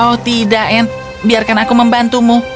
oh tidak anne biarkan aku membantumu